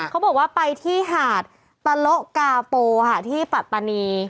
เขาบอกว่าไปที่หาดตะโละกาโปค่ะที่ปัตตานี